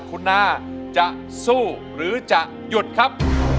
คุณนาจะสู้หรือจะหยุดครับ